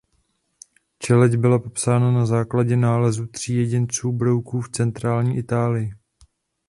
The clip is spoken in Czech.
Čeleď byla popsána na základě nálezu tří jedinců brouků v centrální Itálii.